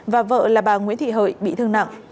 và vợ là bà nguyễn thị hợi bị thương nặng